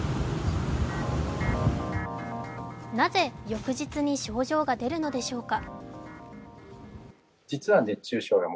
なぜ翌日に症状が出るのでしょうか。